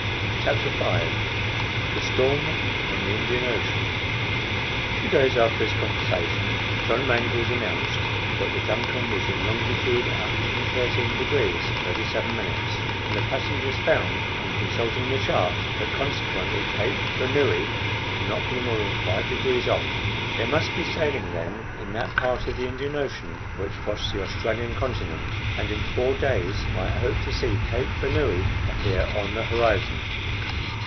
CHAPTER V THE STORM ON THE INDIAN OCEAN Two days after this conversation, John Mangles announced that the DUNCAN was in longitude 113 degrees 37 minutes, and the passengers found on consulting the chart that consequently Cape Bernouilli could not be more than five degrees off. They must be sailing then in that part of the Indian Ocean which washed the Australian continent, and in four days might hope to see Cape Bernouilli appear on the horizon.